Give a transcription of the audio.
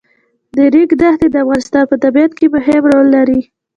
د ریګ دښتې د افغانستان په طبیعت کې مهم رول لري.